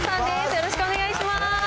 よろしくお願いします。